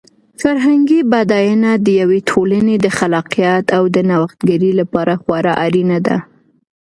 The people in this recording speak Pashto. فرهنګي بډاینه د یوې ټولنې د خلاقیت او د نوښتګرۍ لپاره خورا اړینه ده.